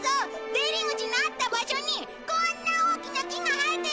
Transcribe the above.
出入り口のあった場所にこんな大きな木が生えてる！